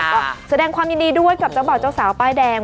ก็แสดงความยินดีด้วยกับเจ้าบ่าวเจ้าสาวป้ายแดง